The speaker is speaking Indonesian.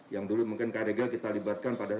yang dulu mungkin kri riga kita libatkan pada